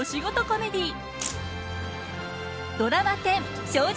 コメディー。